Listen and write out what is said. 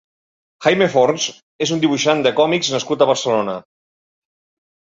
Jaime Forns és un dibuixant de còmics nascut a Barcelona.